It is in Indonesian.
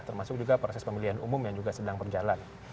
termasuk juga proses pemilihan umum yang juga sedang berjalan